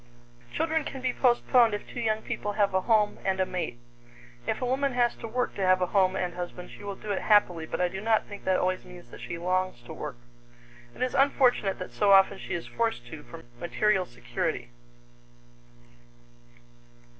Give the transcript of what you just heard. Children can be postponed if two young people have a home and a mate. If a woman has to work to have a home and husband, she will do it happily, but I do not think that always means that she longs to work. It is unfortunate that so often she is forced to for material security.